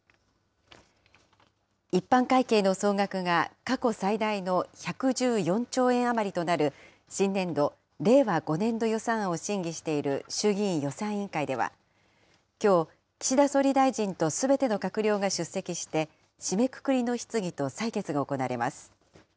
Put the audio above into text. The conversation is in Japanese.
一般会計の総額が過去最大の１１４兆円余りとなる新年度・令和５年度予算案を審議している衆議院予算委員会では、きょう、岸田総理大臣とすべての閣僚が出席して、締めくくりの質疑と採決が行われます。